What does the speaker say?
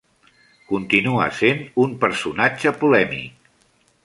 Continua sent un personatge polèmic.